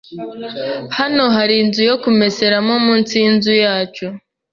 Hano hari inzu yo kumeseramo munsi yinzu yacu.